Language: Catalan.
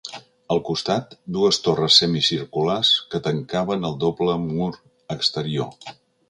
Al costat, dues torres semicirculars que tancaven el doble mur exterior.